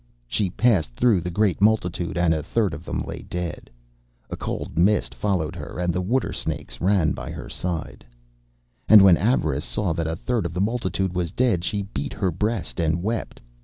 She passed through the great multitude, and a third of them lay dead. A cold mist followed her, and the water snakes ran by her side. And when Avarice saw that a third of the multitude was dead she beat her breast and wept.